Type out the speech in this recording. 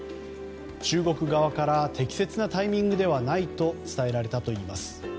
中国側から適切なタイミングではないと伝えられたということです。